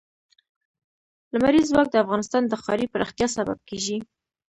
لمریز ځواک د افغانستان د ښاري پراختیا سبب کېږي.